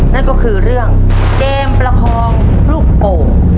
นั่นก็คือเรื่องเกมประคองลูกโป่ง